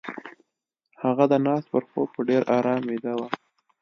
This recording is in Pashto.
هغه د ناز پر خوب په ډېر آرام ويده وه.